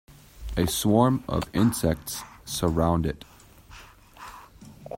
A swarm of insects surround it.